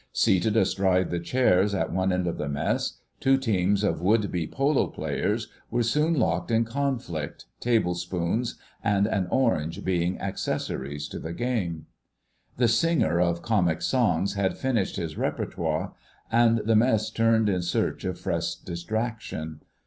Seated astride the chairs at one end of the mess, two teams of would be polo players were soon locked in conflict, table spoons and an orange being accessories to the game. The singer of comic songs had finished his repertoire, and the Mess turned in search of fresh distraction.